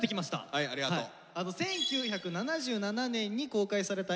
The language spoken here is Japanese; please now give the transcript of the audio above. はいありがとう。